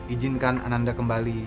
ijinkan ananda kembali